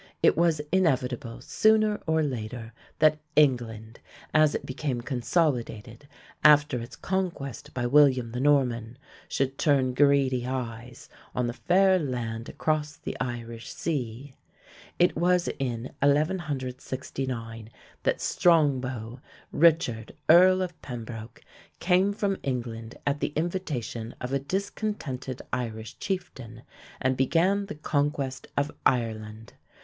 It was inevitable, sooner or later, that England, as it became consolidated after its conquest by William the Norman, should turn greedy eyes on the fair land across the Irish sea. It was in 1169 that "Strongbow" Richard, earl of Pembroke came from England at the invitation of a discontented Irish chieftain and began the conquest of Ireland.